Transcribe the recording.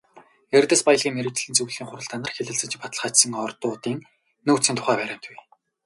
Эрдэс баялгийн мэргэжлийн зөвлөлийн хуралдаанаар хэлэлцэж баталгаажсан ордуудын нөөцийн тухай баримт бий.